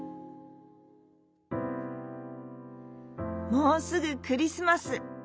もうすぐクリスマス。